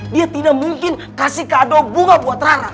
dia tidak mungkin kasih kado bunga buat rana